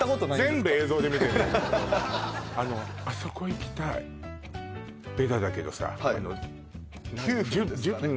全部映像で見てるのあそこ行きたいベタだけどさはい九ですかね？